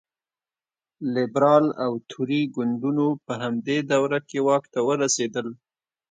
لېبرال او توري ګوندونو په همدې دوره کې واک ته ورسېدل.